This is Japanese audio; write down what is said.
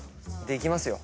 できますよ。